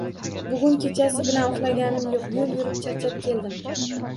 Bugun kechasi bilan uxlaganim yo‘q, yo‘l yurib charchab keldim